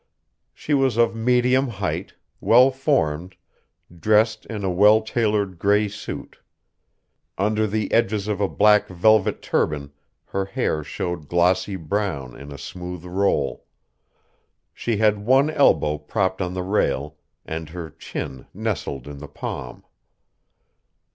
She was of medium height, well formed, dressed in a well tailored gray suit. Under the edges of a black velvet turban her hair showed glossy brown in a smooth roll. She had one elbow propped on the rail and her chin nestled in the palm.